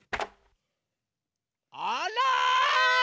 あら！